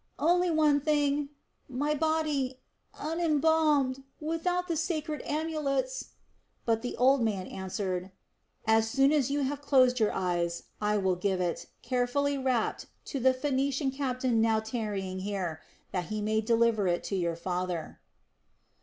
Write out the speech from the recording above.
only one thing... my body... unembalmed ... without the sacred amulets...." But the old man answered: "As soon as you have closed your eyes, I will give it, carefully wrapped, to the Phoenician captain now tarrying here, that he may deliver it to your father."